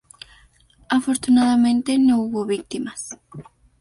Afortunadamente, no hubo víctimas.